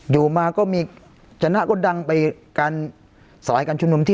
อยู่มาก็มีชนะก็ดังไปการสายการชุมนุมที่